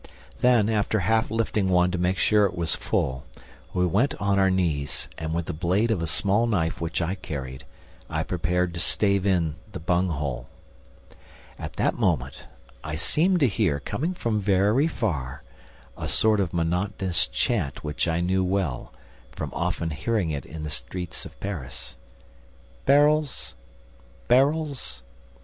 Then, after half lifting one to make sure it was full, we went on our knees and, with the blade of a small knife which I carried, I prepared to stave in the bung hole. At that moment, I seemed to hear, coming from very far, a sort of monotonous chant which I knew well, from often hearing it in the streets of Paris: "Barrels! ... Barrels!